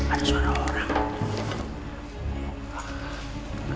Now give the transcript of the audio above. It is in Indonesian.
ada suara orang